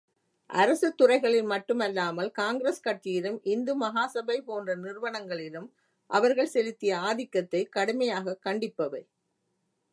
அரசுத் துறைகளில் மட்டுமல்லாமல் காங்கிரஸ் கட்சியிலும் இந்து மகாசபை போன்ற நிறுவனங்களிலும் அவர்கள் செலுத்திய ஆதிக்கத்தைக் கடுமையாகக் கண்டிப்பவை.